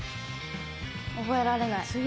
覚えられない。